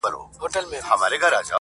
چي یې ته اوربل کي کښېږدې بیا تازه سي-